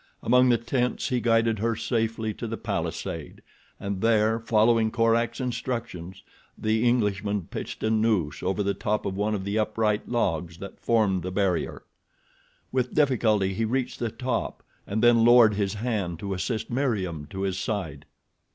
Among the tents he guided her safely to the palisade, and there, following Korak's instructions, the Englishman pitched a noose over the top of one of the upright logs that formed the barrier. With difficulty he reached the top and then lowered his hand to assist Meriem to his side.